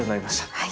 はい！